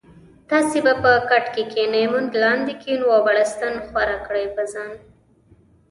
تاسي به کټکی کینې مونږ لاندې کینو او بړستن ښوره کړي په ځان